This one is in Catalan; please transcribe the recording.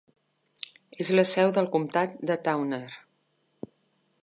És la seu del comtat de Towner.